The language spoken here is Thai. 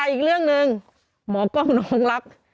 อีกเรื่องหนึ่งหมอกล้องน้องรัก